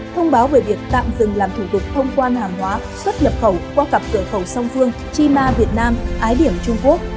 thông báo về việc tạm dừng làm thủ tục thông quan hàng hóa xuất nhập khẩu qua cặp cửa khẩu song phương chima việt nam ái điểm trung quốc